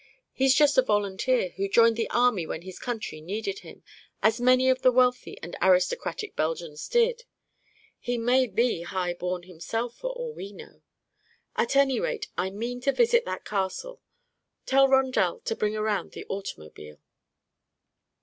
"He's just a volunteer, who joined the army when his country needed him, as many of the wealthy and aristocratic Belgians did. He may be high born himself, for all we know. At any rate I mean to visit that castle. Tell Rondel to bring around the automobile."